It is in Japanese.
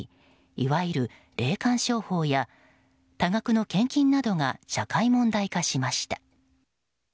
いわゆる霊感商法や多額の献金などが社会問題化しました。